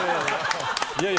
いやいや！